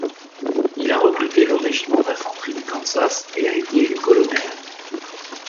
Il a recruté le Régiment d'infanterie du Kansas et a été élu colonel.